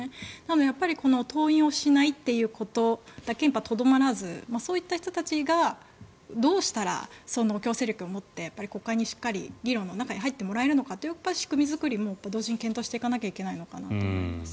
やっぱり、登院をしないということだけにとどまらずそういった人たちがどうしたら強制力を持って国会にしっかり議論の中に入っていけるのかという仕組み作りも同時に検討していかなきゃいけないのかなと思います。